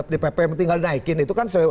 di pp tinggal dinaikin itu kan